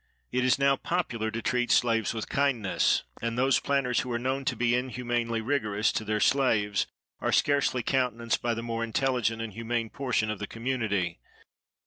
It is now popular to treat slaves with kindness; and those planters who are known to be inhumanly rigorous to their slaves are scarcely countenanced by the more intelligent and humane portion of the community.